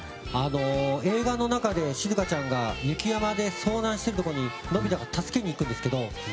映画の中で、しずかちゃんが雪山で遭難している時にのび太が助けに行くんですけど